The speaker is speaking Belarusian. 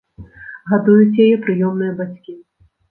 Гадуюць яе прыёмныя бацькі.